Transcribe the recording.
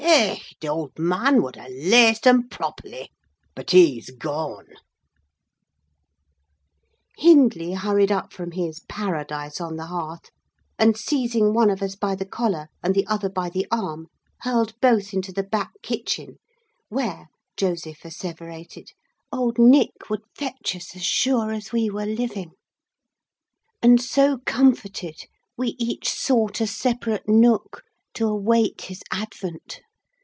Ech! th' owd man wad ha' laced 'em properly—but he's goan!' "Hindley hurried up from his paradise on the hearth, and seizing one of us by the collar, and the other by the arm, hurled both into the back kitchen; where, Joseph asseverated, 'owd Nick' would fetch us as sure as we were living: and, so comforted, we each sought a separate nook to await his advent.